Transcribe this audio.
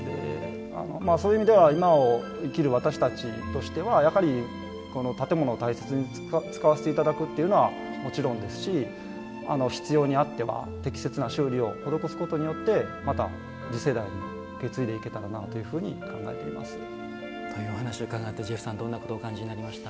そういう意味では今を生きる私たちとしてはやはりこの建物を大切に使わせていただくというのはもちろんですし必要にあっては適切な修理を施すことによってまた次世代に受け継いでいけたらなというふうにというお話を伺ってジェフさん、どんなことをお感じになりましたか。